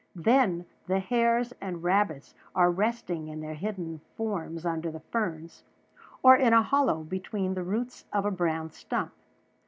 Then the hares and rabbits are resting in their hidden forms under the ferns, or in a hollow between the roots of a brown stump.